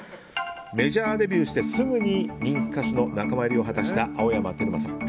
メジャーデビューしてすぐ人気歌手の仲間入りを果たした青山テルマさん。